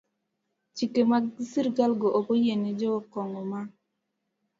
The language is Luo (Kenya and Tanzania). Chike mag sirkalgo ok oyiene jo Kongo ma